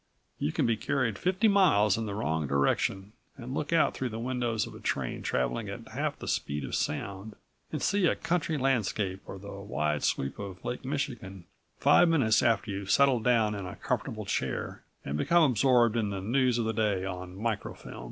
You can be carried fifty miles in the wrong direction and look out through the windows of a train traveling at half the speed of sound, and see a country landscape or the wide sweep of Lake Michigan five minutes after you've settled down in a comfortable chair and become absorbed in the news of the day on micro film.